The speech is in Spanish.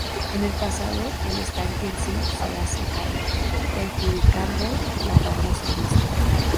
En el pasado, el estanque en sí se ha secado, perjudicando la famosa vista.